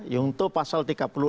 yungto pasal tiga puluh enam